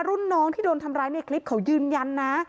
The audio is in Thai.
รุ่นน้องที่โดนทำร้ายในคลิปเขายืนยันนะ